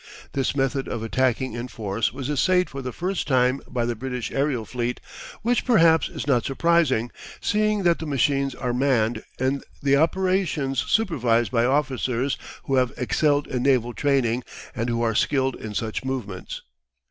This method of attacking in force was essayed for the first time by the British aerial fleet, which perhaps is not surprising, seeing that the machines are manned and the operations supervised by officers who have excelled in naval training, and who are skilled in such movements.